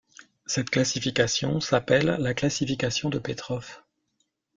Cette classification s'appelle la classification de Petrov.